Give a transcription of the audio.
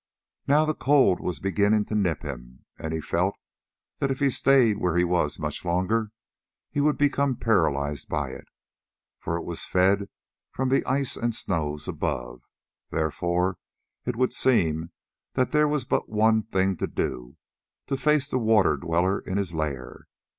Now the cold was beginning to nip him, and he felt that if he stayed where he was much longer he would become paralyzed by it, for it was fed from the ice and snow above. Therefore, it would seem that there was but one thing to do—to face the Water Dweller in his lair.